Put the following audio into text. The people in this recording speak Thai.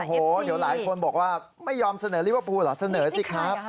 โอ้โหเดี๋ยวหลายคนบอกว่าไม่ยอมเสนอลิเวอร์พูลเหรอเสนอสิครับ